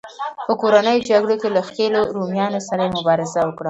په کورنیو جګړو کې له ښکېلو رومیانو سره یې مبارزه وکړه